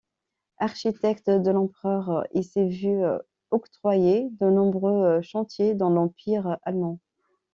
Architecte de l'empereur, il s'est vu octroyer de nombreux chantiers dans l'Empire allemand.